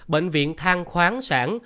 bệnh viện thang khoáng sản